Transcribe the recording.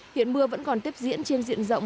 hiện mưa vẫn còn tiếp diễn trên diện rộng